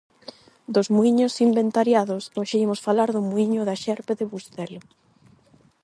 Dos muíños inventariados, hoxe imos falar do Muíño da xerpe de Bustelo.